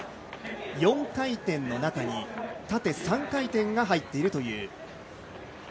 ４回転の中に縦３回転が入っているという。